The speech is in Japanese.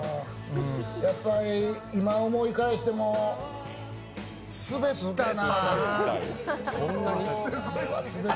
やっぱり、今思い返してもスベったな。